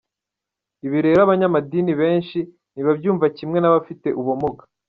Ibi rero abanyamadini benshi ntibabyumva kimwe n’abafite ubumuga.